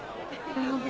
大丈夫？